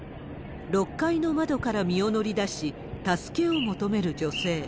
６階の窓から身を乗り出し、助けを求める女性。